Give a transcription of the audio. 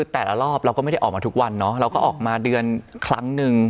แต่ละรอบเราก็ไม่ได้ออกมาทุกวันเนาะเราก็ออกมาเดือนครั้งหนึ่ง